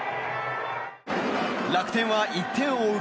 楽天は１点を追う